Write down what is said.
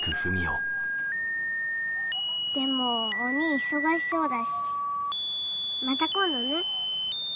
でもおにぃ忙しそうだしまた今度ね。